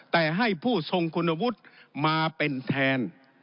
แต่ให้ผู้ทรงคุณวุฒิมาเป็นแทน